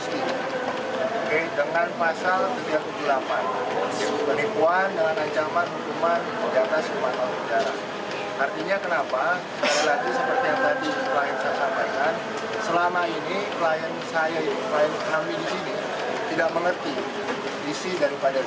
karena seperti yang tadi pelayan saya sampaikan selama ini pelayan kami di sini tidak mengerti isi daripada gatot